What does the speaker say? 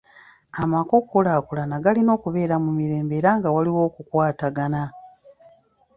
Amaka okukulaakulana galina okubeera mu mirembe era nga waliwo okukwatagana.